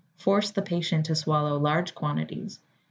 Force the patient to swallow large quantities.